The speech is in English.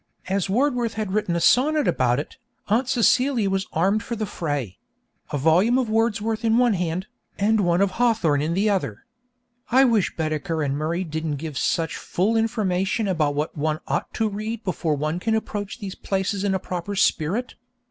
As Wordsworth had written a sonnet about it, Aunt Celia was armed for the fray a volume of Wordsworth in one hand, and one of Hawthorne in the other. (I wish Baedeker and Murray didn't give such full information about what one ought to read before one can approach these places in a proper spirit.)